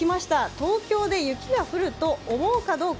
東京で雪が降ると思うかどうか。